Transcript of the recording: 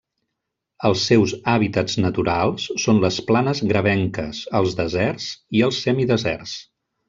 Els seus hàbitats naturals són les planes gravenques, els deserts i els semideserts.